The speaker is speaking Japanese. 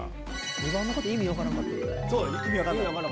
２番の方意味分からんかった。